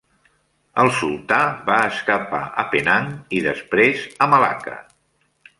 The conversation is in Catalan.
El sultà va escapar a Penang i, després, a Malacca.